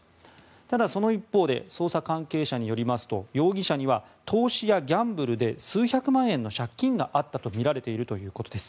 ただ、その一方で捜査関係者によりますと容疑者には投資やギャンブルで数百万円の借金があったとみられているということです。